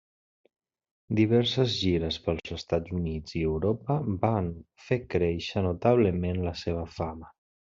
Diverses gires pels Estats Units i Europa van fer créixer notablement la seva fama.